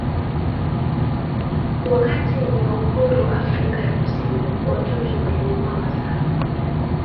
Wakati wa huuru wa wa afrika ya kusini watoto waliuwiwa sana